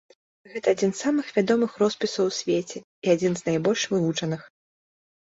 Гэта адзін з самых вядомых роспісаў у свеце, і адзін з найбольш вывучаных.